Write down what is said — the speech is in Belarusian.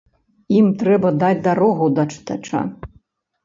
Ім трэба даць дарогу да чытача.